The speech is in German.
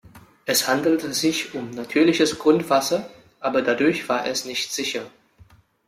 Es handelte sich um natürliches Grundwasser, aber dadurch war es nicht sicher.